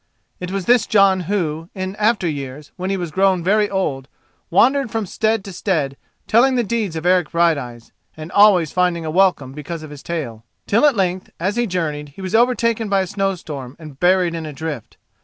It was this Jon who, in after years, when he was grown very old, wandered from stead to stead telling the deeds of Eric Brighteyes, and always finding a welcome because of his tale, till at length, as he journeyed, he was overtaken by a snowstorm and buried in a drift.